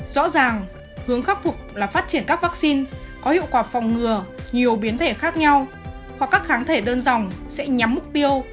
rõ ràng hướng khắc phục là phát triển các vaccine có hiệu quả phòng ngừa nhiều biến thể khác nhau hoặc các kháng thể đơn dòng sẽ nhắm mục tiêu